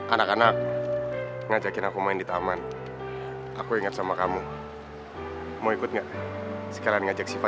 anak anak ngajakin aku main di taman aku ingat sama kamu mau ikut nggak sekarang ngajak sifat